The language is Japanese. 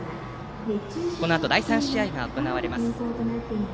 このあと第３試合が行われます。